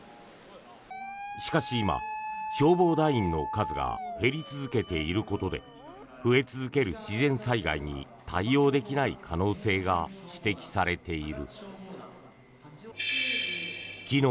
しかし今、消防団員の数が減り続けていることで増え続ける自然災害に対応できない可能性が指摘されている。